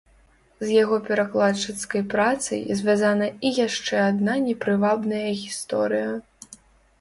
З яго перакладчыцкай працай звязана і яшчэ адна непрывабная гісторыя.